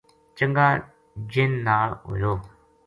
چنگا جن نال ہویو